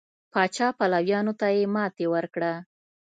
پاچا پلویانو ته یې ماتې ورکړه.